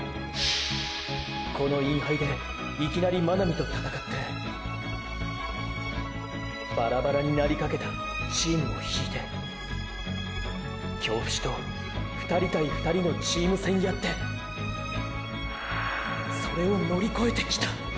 このインハイでいきなり真波と闘ってバラバラになりかけたチームを引いて京伏と２人対２人のチーム戦やってそれを乗り越えてきたァ！！